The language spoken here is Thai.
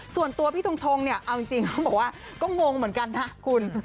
ส่วนตัวพี่ทงเนี่ยเอาจริงเขาบอกว่าก็งงเหมือนกันนะคุณ